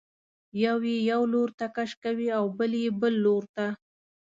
یو یې یو لورته کش کوي او بل یې بل لورته.